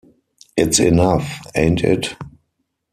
It's enough, ain't it?